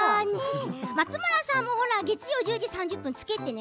松村さんも月曜１０時３０分つけてね。